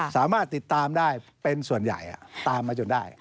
สามารถติดตามได้เป็นส่วนใหญ่ตามมาจนได้